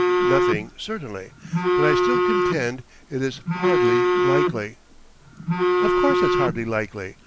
"Nothing, certainly. But I still contend it is hardly likely." "Of course it's hardly likely.